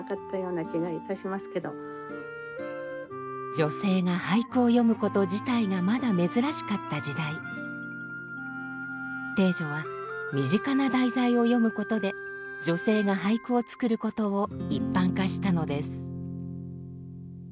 女性が俳句を詠むこと自体がまだ珍しかった時代汀女は身近な題材を詠むことで女性が俳句を作ることを一般化したのです。